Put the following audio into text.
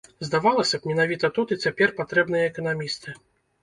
Здавалася б, менавіта тут і цяпер патрэбныя эканамісты.